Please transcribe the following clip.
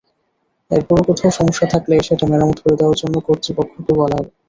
এরপরও কোথাও সমস্যা থাকলে সেটা মেরামত করে দেওয়ার জন্য কর্তৃপক্ষকে বলা হবে।